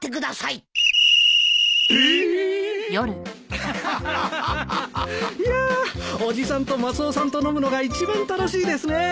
いや伯父さんとマスオさんと飲むのが一番楽しいですね。